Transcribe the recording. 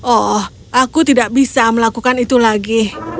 oh aku tidak bisa melakukan itu lagi